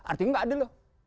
artinya nggak ada loh